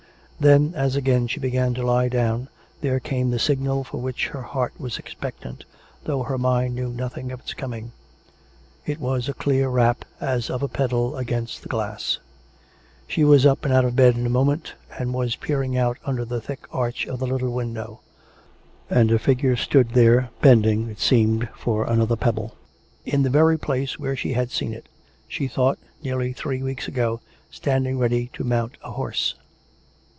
Then, as again she began to lie down, there came the signal for which her heart was expectant, though her mind knew nothing of its coming. It was a clear rap, as of a pebble against the glass. She was up and out of bed in a moment, and was peering out vmder the thick arch of the little window. And a figure stood there, bending, it seemed, for another pebble; in the very place where she had seen it, she thought, nearly three weeks ago, standing ready to mount a horse.